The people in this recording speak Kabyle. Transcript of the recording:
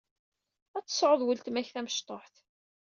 Ad tesɛuḍ weltma-k tamecṭuḥt.